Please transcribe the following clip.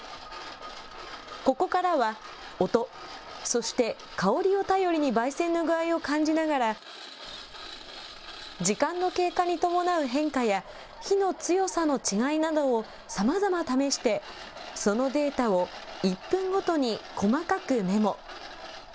ここからは音、そして香りを頼りにばい煎の具合を感じながら、時間の経過に伴う変化や、火の強さの違いなどをさまざま試して、そのデータを１分ごとに細かくメモ。